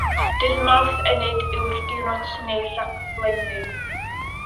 Dydd Mawrth Ynyd yw'r diwrnod sy'n ei ragflaenu.